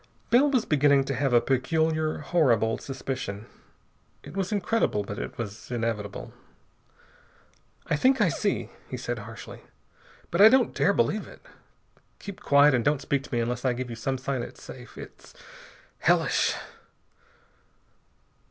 Bell was beginning to have a peculiar, horrible suspicion. It was incredible, but it was inevitable. "I think I see," he said harshly. "But I don't dare believe it. Keep quiet and don't speak to me unless I give you some sign it's safe! It's hellish!"